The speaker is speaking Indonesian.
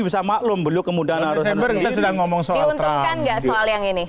diuntungkan tidak dengan yang ini